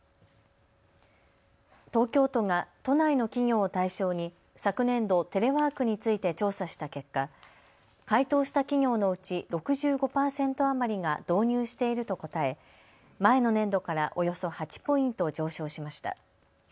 東京都が都内の企業を対象に昨年度、テレワークについて調査した結果、回答した企業のうち６５％余りが導入していると答え前の年度からおよそ８ポイント上昇しました。